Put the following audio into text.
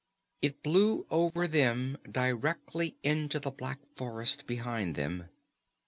It blew over them directly into the black forest behind them.